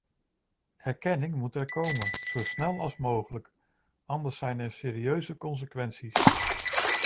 Erkenning moet er komen, zo snel als mogelijk, anders zijn er serieuze consequenties.